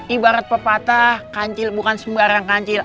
ibarat pepatah kancil bukan sembarang kancil